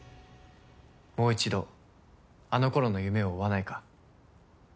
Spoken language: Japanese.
もう１度あの頃の夢を追わないか？